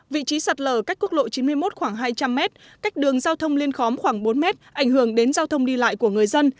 vị trí sạt lở cách quốc lộ chín mươi một khoảng hai trăm linh m cách đường giao thông liên khóm khoảng bốn mét ảnh hưởng đến giao thông đi lại của người dân